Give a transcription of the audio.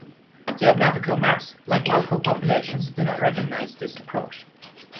Geographical maps, like local populations, do not recognize this approach.